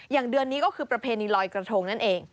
เดือนนี้ก็คือประเพณีลอยกระทงนั่นเอง